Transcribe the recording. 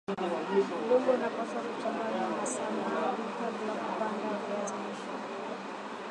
udongo unapaswa kuchanganywa na samadi kabla kupanda viazi lishe